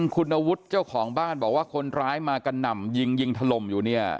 คุณวุฒิเจ้าของบ้านบอกว่าคนร้ายมากระหน่ำยิงยิงถล่มอยู่เนี่ย